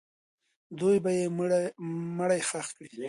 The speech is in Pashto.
دوی به یې مړی ښخ کړي.